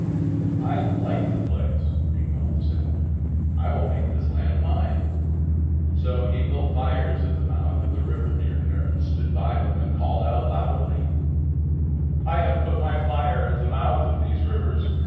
"I like the place," Ingolf said. "I will make this land mine." So he built fires at the mouth of the river near there, and stood by them and called out loudly: "I have put my fire at the mouth of these rivers.